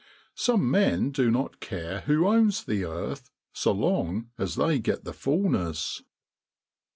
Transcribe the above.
Some men do not care who owns the earth so long as they get the fullness.